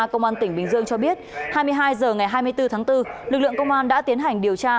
công an tỉnh bình dương cho biết hai mươi hai h ngày hai mươi bốn tháng bốn lực lượng công an đã tiến hành điều tra